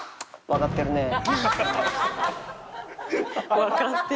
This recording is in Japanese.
「わかってるねえ」。